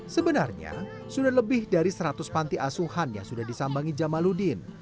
sebenarnya sudah lebih dari seratus panti asuhan yang sudah disambangi jamaludin